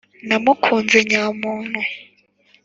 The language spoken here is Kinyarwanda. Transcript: Namukunze nyamuntu.